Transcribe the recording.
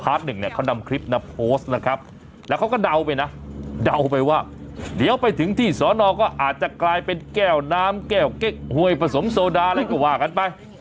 หนึ่งเนี่ยเขานำคลิปมาโพสต์นะครับแล้วเขาก็เดาไปนะเดาไปว่าเดี๋ยวไปถึงที่สอนอก็อาจจะกลายเป็นแก้วน้ำแก้วเก๊กห้วยผสมโซดาอะไรก็ว่ากันไป